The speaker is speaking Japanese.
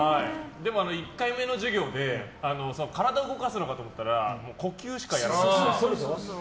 でも１回目の授業で体を動かすのかと思ったら呼吸しかやらなくて。